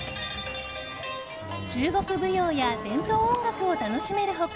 中国舞踊や伝統音楽を楽しめる他